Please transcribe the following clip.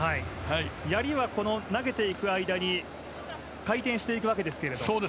やりは投げていく間に回転していくわけですが。